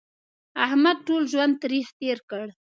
احمد ټول ژوند تریخ تېر کړ